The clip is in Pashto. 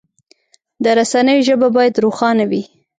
د رسنیو ژبه باید روښانه وي.